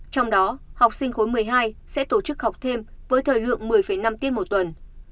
trong đó học sinh khối một mươi hai sẽ tổ chức học thêm với thời lượng một mươi năm tiết một tuần